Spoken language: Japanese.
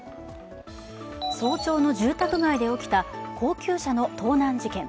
早朝の住宅街で起きた高級車の盗難事件。